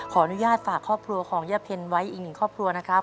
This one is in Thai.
ขออนุญาตฝากครอบครัวของย่าเพ็ญไว้อีกหนึ่งครอบครัวนะครับ